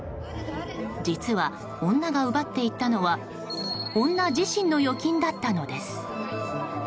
実は、女が奪っていったのは女自身の預金だったのです。